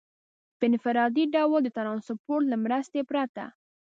په انفرادي ډول د ټرانسپورټ له مرستې پرته.